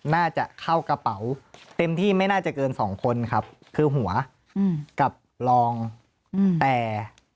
น่าจะเข้ากระเป๋าเต็มที่ไม่น่าจะเกินสองคนครับคือหัวกับรองแต่